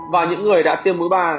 và những người đã tiêm mũi ba